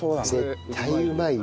絶対うまいわ。